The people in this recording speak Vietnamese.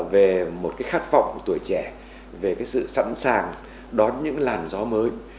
về một cái khát vọng của tuổi trẻ về cái sự sẵn sàng đón những làn gió mới